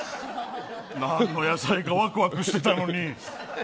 何の野菜かワクワクしてたのに。